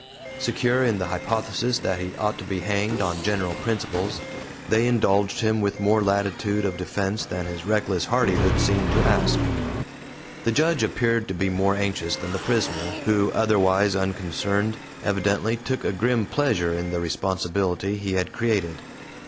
Secure in the hypothesis that he ought to be hanged, on general principles, they indulged him with more latitude of defense than his reckless hardihood seemed to ask. The Judge appeared to be more anxious than the prisoner, who, otherwise unconcerned, evidently took a grim pleasure in the responsibility he had created.